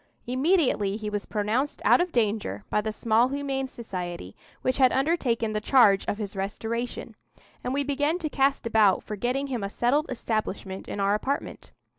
Immediately he was pronounced out of danger by the small humane society which had undertaken the charge of his restoration, and we began to cast about for getting him a settled establishment in our apartment.